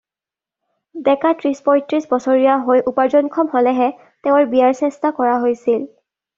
ডেকা ত্ৰিশ-পয়ত্ৰিশ বছৰীয়া হৈ উপাৰ্জনক্ষম হ’লেহে তেওঁৰ বিয়াৰ চেষ্টা কৰা হৈছিল।